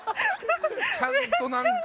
ちゃんとなんか。